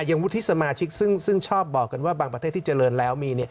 วุฒิสมาชิกซึ่งชอบบอกกันว่าบางประเทศที่เจริญแล้วมี